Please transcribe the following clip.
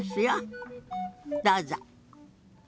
どうぞ。